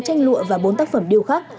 sáu tranh lụa và bốn tác phẩm điêu khắc